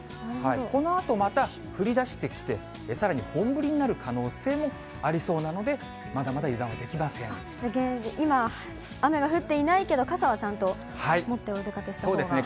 このあとまた、降りだしてきて、さらに本降りになる可能性もありそうなので、今、雨が降っていないけど、傘はちゃんと持ってお出かけしたほうが。